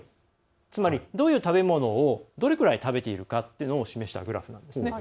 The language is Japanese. つまり、どういう食べ物をどれくらい食べているかを示したグラフなんですね。